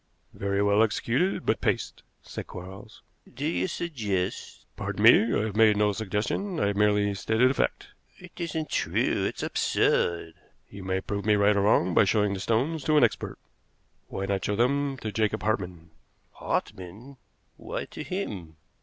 "Very well executed, but paste," said Quarles. "Do you suggest " "Pardon me, I have made no suggestion; I have merely stated a fact." "It isn't true; it's absurd!" "You may prove me right or wrong by showing the stones to an expert. Why not show them to Jacob Hartmann?" "Hartmann! Why to him?"